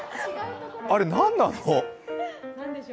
あれ、何なの？